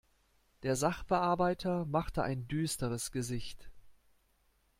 Der Sachbearbeiter machte ein düsteres Gesicht.